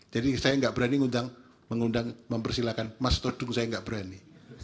jadi saya enggak berani mengundang mempersilahkan mas todung saya enggak berani